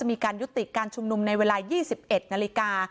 มีการยุติการชุมนุมในเวลา๒๑นาฬิกา